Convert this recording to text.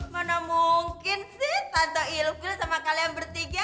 mana mungkin sih tante ilville sama kalian bertiga